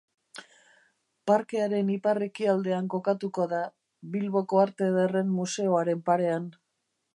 Parkearen ipar-ekialdean kokatuko da, Bilboko Arte Ederren Museoaren parean.